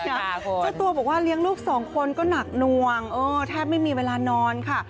เจ้าตัวบอกว่าเลี้ยงลูกสองคนก็หนักนวงแทบไม่มีเวลานอนค่ะ